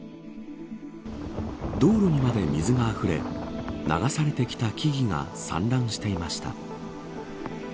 道路にまで水があふれ流されてきた木々が散乱していました。